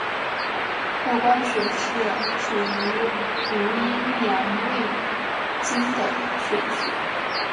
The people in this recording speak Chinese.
髀关穴是属于足阳明胃经的腧穴。